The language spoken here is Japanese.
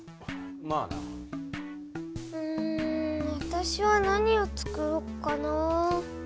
うんわたしは何をつくろっかなあ。